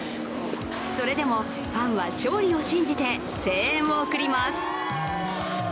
それでもファンは勝利を信じて声援を送ります。